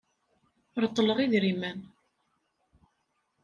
Reṭṭleɣ idrimen.